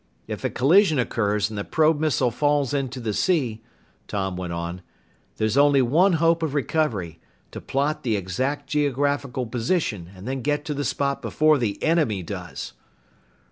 "If a collision occurs and the probe missile falls into the sea," Tom went on, "there's only one hope of recovery to plot the exact geographical position and then get to the spot before the enemy does!"